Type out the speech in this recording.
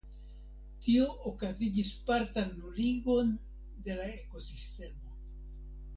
Tio okazigis partan nuligon de la ekosistemo.